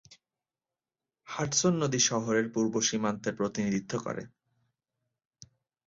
Hudson নদী শহরের পূর্ব সীমান্তের প্রতিনিধিত্ব করে।